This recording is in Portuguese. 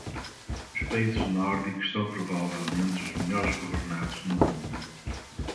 Os países nórdicos são provavelmente os melhores governados no mundo.